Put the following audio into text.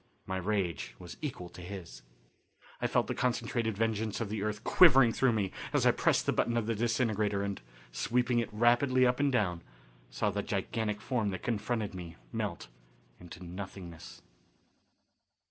My rage was equal to his. I felt the concentrated vengeance of the earth quivering through me as I pressed the button of the disintegrator and, sweeping it rapidly up and down, saw the gigantic form that confronted me melt into nothingness.